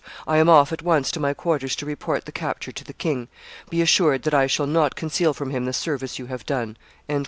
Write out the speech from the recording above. I am off at once to my quarters to report the capture to the king. Be assured that I shall not conceal from him the service you have done."